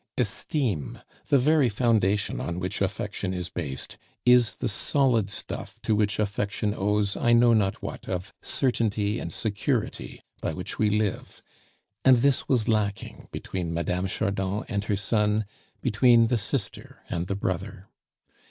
Esteem, the very foundation on which affection is based, is the solid stuff to which affection owes I know not what of certainty and security by which we live; and this was lacking between Mme. Chardon and her son, between the sister and the brother.